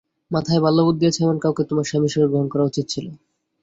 মাথায় ভালো বুদ্ধি আছে এমন কাউকে তোমার স্বামী হিসেবে গ্রহণ করা উচিত ছিল।